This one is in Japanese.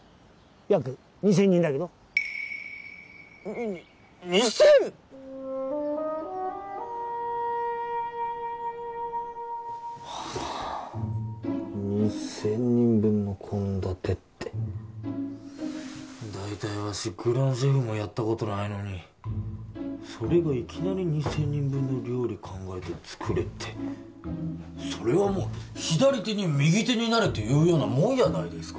約２０００人だけど２２０００！？はあ２０００人分の献立って大体わしグランシェフもやったことないのにそれがいきなり２０００人分の料理考えて作れってそれはもう左手に右手になれっていうようなもんやないですか